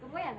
tunggu ya ne